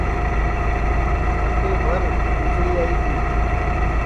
مٹئے بھر ٻِجݪی آئی گی